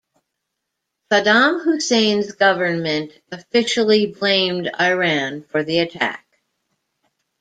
Saddam Hussein's government officially blamed Iran for the attack.